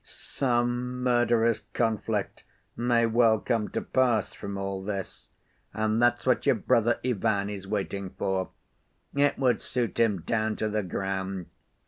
Some murderous conflict may well come to pass from all this, and that's what your brother Ivan is waiting for. It would suit him down to the ground.